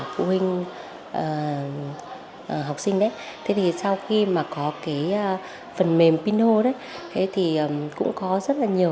phụ huynh học sinh đấy thế thì sau khi mà có cái phần mềm pinho đấy thì cũng có rất là nhiều